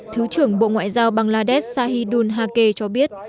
thứ trưởng bộ ngoại giao bangladesh sahidul hake cho biết